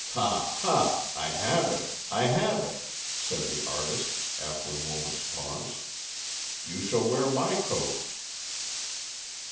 "Ha! Ha! I have it I have it," said the artist, after a moment's pause; "You shall wear my coat."